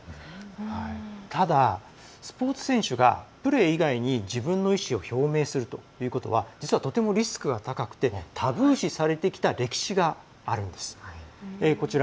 ただスポーツ選手がプレー以外に自分の意思を表明するというのは実はとてもリスクが高くてタブー視されてきた歴史があるんです。